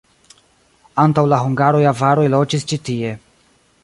Antaŭ la hungaroj avaroj loĝis ĉi tie.